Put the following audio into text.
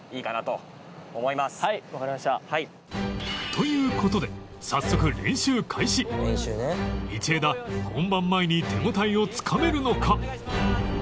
という事で早速道枝本番前に手応えをつかめるのか？